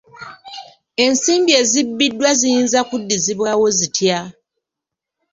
Ensimbi ezibbiddwa ziyinza kuddizibwawo zitya?